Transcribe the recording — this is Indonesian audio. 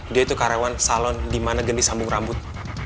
dia itu karyawan salon di mana gendi sambung rambut